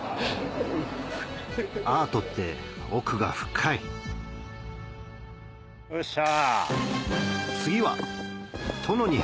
アートって奥が深いうっしゃ。